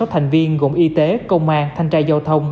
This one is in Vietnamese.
một mươi sáu thành viên gồm y tế công an thanh tra giao thông